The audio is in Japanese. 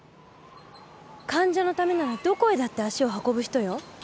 患者のためならどこへだって足を運ぶ人よ。